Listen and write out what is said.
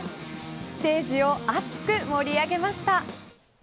ステージを熱く盛り上げました。